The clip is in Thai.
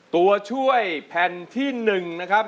ตัวช่วยแผ่นที่๑นะครับ